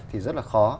thì rất là khó